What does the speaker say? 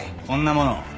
こんなもの